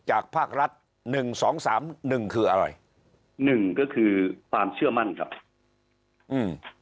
ภาครัฐหนึ่งสองสามหนึ่งคืออะไรหนึ่งก็คือความเชื่อมั่นครับอืม